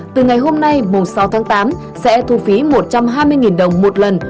từ ngày hôm nay mùng sáu tháng tám sẽ thu phí một trăm hai mươi đồng một lần